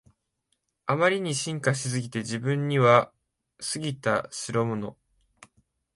あまりに進化しすぎて自分には過ぎたしろもの